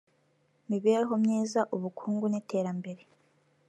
mibereho myiza ubukungu n iterambere